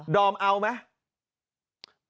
อมเอาไหม